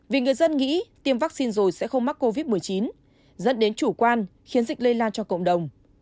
vì người dân nghĩ tiêm vaccine rồi sẽ không mắc covid một mươi chín dẫn đến chủ quan khiến dịch lây lan cho cộng đồng